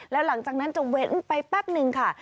แล้วหลังจากนั้นจะเว้นไปแป๊บนึงค่ะ